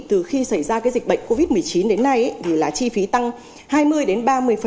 từ khi xảy ra dịch bệnh covid một mươi chín đến nay thì là chi phí tăng hai mươi đến ba mươi